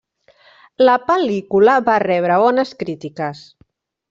La pel·lícula va rebre bones crítiques.